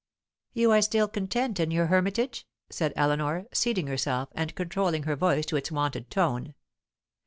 "You are still content in your hermitage?" said Eleanor, seating herself and controlling her voice to its wonted tone.